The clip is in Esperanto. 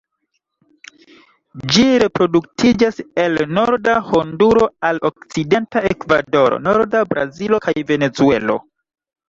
Ĝi reproduktiĝas el norda Honduro al okcidenta Ekvadoro, norda Brazilo kaj Venezuelo.